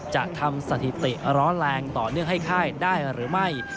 จะทำสถิติร้อนแรงต่อเนื่องให้ค่ายได้หรือไม่